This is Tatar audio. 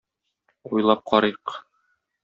Уйлап карыйк.